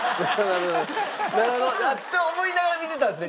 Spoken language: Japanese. なるほど。って思いながら見てたんですね。